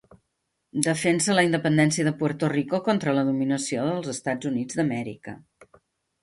Defensa la independència de Puerto Rico contra la dominació dels Estats Units d'Amèrica.